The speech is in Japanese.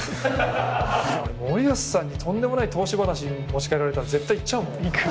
森保さんにとんでもない投資話持ち掛けられたら絶対いっちゃうもん。